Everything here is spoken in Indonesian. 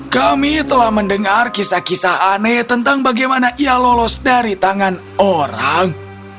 kami telah mendengar kisah kisah aneh tentang bagaimana ia lolos dari tangan orang